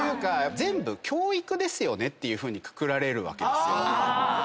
全部教育ですよねというふうにくくられるわけですよ。